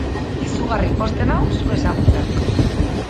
Izugarri pozten nau zu ezagutzeak.